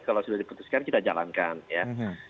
kalau sudah di putuskan kita jalankan ya